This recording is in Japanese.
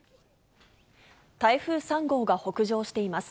台風３号が北上しています。